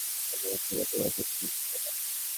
অন্য বাচ্চারা তোমার সাথে খেলতে চায় না?